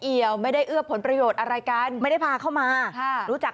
ี่ยวไม่ได้เอื้อผลประโยชน์อะไรกันไม่ได้พาเข้ามาค่ะรู้จัก